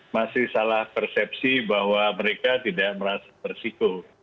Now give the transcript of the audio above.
masih salah persepsi bahwa mereka tidak merasa bersiko